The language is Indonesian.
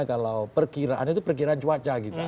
kalau perkiraannya itu perkiraan cuaca